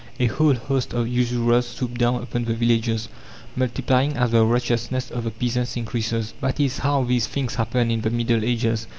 A whole host of usurers swoop down upon the villages, multiplying as the wretchedness of the peasants increases. That is how these things happened in the Middle Ages.